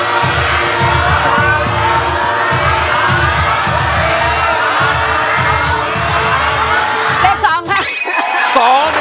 เป็น๒ครับ